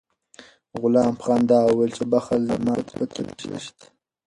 غلام په خندا وویل چې بخل زما په فطرت کې نشته.